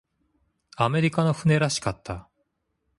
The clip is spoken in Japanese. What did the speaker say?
アメリカの船らしかった。